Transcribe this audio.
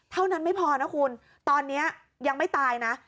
เท่านั้นไม่พอนะคุณตอนนี้ยังไม่ตายนะ